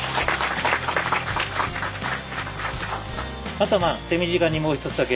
あとはまあ手短にもうひとつだけ。